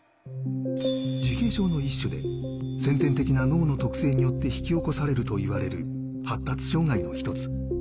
自閉症の一種で、先天的な脳の特性によって引き起こされるといわれる発達障害の一つ。